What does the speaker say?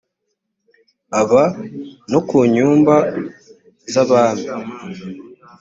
uba no ku nyumba z abami